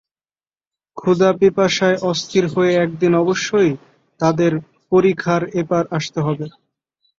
ক্ষুধা-পিপাসায় অস্থির হয়ে একদিন অবশ্যই তাদের পরিখার এপার আসতে হবে।